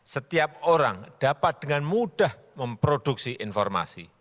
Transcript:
setiap orang dapat dengan mudah memproduksi informasi